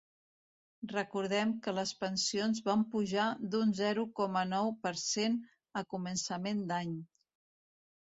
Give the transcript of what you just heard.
Recordem que les pensions van pujar d’un zero coma nou per cent a començament d’any.